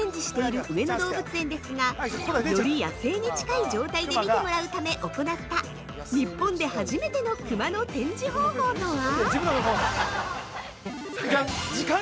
◆３種類のクマを比較展示している上野動物園ですがより野生に近い状態で見てもらうため行った日本で初めてのクマの展示方法とは？